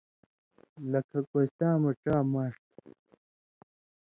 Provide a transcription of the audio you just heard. لَکھہ کوستاں مہ ڇا ماݜہ تھہ،